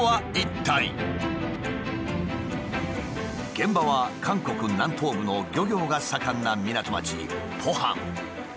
現場は韓国南東部の漁業が盛んな港町ポハン。